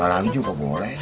satu lagi juga boleh